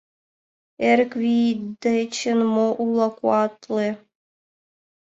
Эрык вий дечын мо уло куатле?»